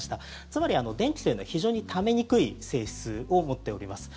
つまり、電気というのは非常にためにくい性質を持っております。